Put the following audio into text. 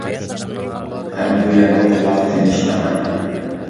ھەم بۇ يەردە قۇلاق تىنچ دەڭە.